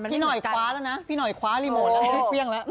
พี่หน่อยคว้าแล้วนะพี่หน่อยคว้ารีโมนแล้ว